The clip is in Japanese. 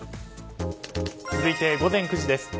続いて午前９時です。